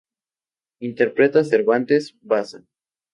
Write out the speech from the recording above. Imprenta Cervantes, Baza.